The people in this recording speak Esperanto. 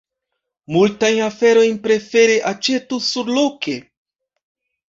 Multajn aferojn prefere aĉetu surloke.